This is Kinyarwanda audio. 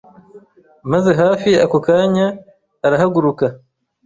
maze hafi ako kanya arahaguruka.